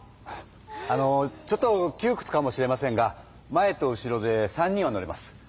あのちょっときゅうくつかもしれませんが前と後ろで３人は乗れます。